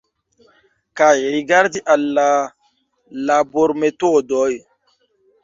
Kaj rigardi al la labormetodoj.